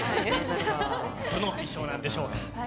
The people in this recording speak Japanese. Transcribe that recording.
どの衣装なんでしょうか。